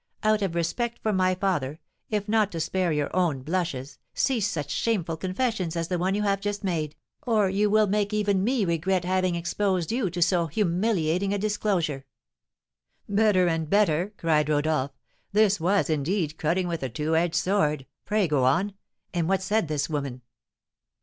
'Out of respect for my father, if not to spare your own blushes, cease such shameful confessions as the one you have just made, or you will make even me regret having exposed you to so humiliating a disclosure.'" "Better and better!" cried Rodolph; "this was, indeed, cutting with a two edged sword. Pray go on. And what said this woman?"